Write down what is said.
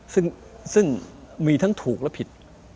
ซึ่งมีทั้งถูกและผิด